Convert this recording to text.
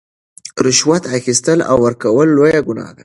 رشوت اخیستل او ورکول لویه ګناه ده.